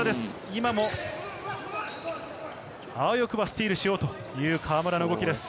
今も、あわよくばスティールしようという河村の動きです。